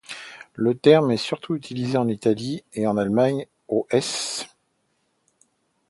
Le terme est surtout utilisé en Italie et en Allemagne, aux s.